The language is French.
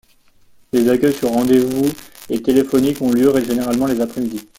Des accueils sur rendez-vous et téléphonique ont lieu généralement les après-midi.